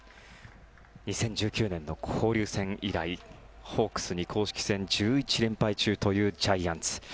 ２０１９年の交流戦以来ホークスに公式戦１１連敗中というジャイアンツ。